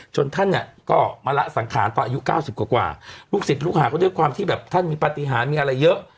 ท่านเนี่ยก็มาละสังขารตอนอายุ๙๐กว่าลูกศิษย์ลูกหาก็ด้วยความที่แบบท่านมีปฏิหารมีอะไรเยอะ